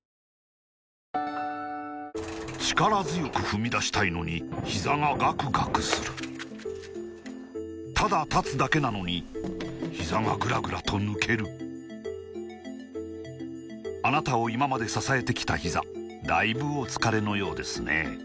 力強く踏み出したいのにひざがガクガクするただ立つだけなのにひざがグラグラと抜けるあなたを今まで支えてきたひざだいぶお疲れのようですね